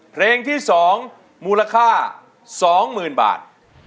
เพลงที่๒มูลค่า๒หมื่นบาท